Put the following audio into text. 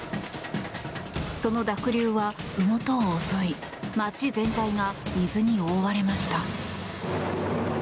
その濁流は、ふもとを襲い街全体が水に覆われました。